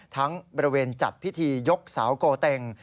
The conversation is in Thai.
บริเวณจัดพิธียกเสาโกเต็ง